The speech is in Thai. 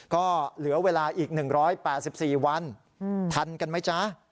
ก็เหลือเวลาอีก๑๘๔วันทันกันไหมจ๊ะ